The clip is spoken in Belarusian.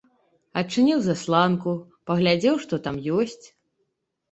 Адчыніў засланку, паглядзеў, што там ёсць.